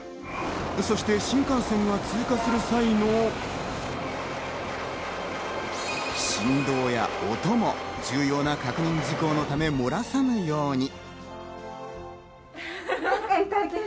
そして新幹線が通過する際の振動や音も重要な確認事項のため、漏らさないように。